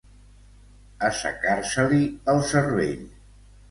Assecar-se-li el cervell.